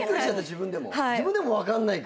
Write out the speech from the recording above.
自分でも分かんないから。